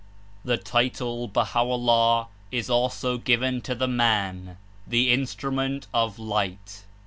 The title Baha'o'llah is also 14 given to the Man, the Instrument of Light.